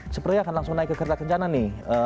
sepertinya akan langsung naik ke kereta kencana nih